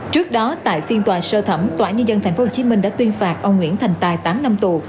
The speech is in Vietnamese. trước đó tại phiên tòa sơ thẩm tòa nhân dân tp hcm đã tuyên phạt ông nguyễn thành tài tám năm tù